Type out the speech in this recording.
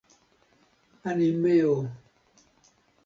animeo